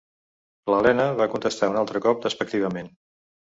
L'Helena va contestar un altre cop despectivament.